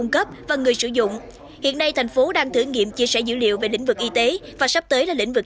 cấp và người sử dụng hiện nay thành phố đang thử nghiệm chia sẻ dữ liệu về lĩnh vực y tế và sắp tới là lĩnh vực